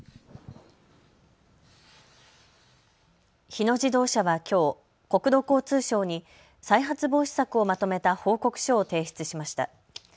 日野自動車はきょう、国土交通省に再発防止策をまとめた報告書を提出しました。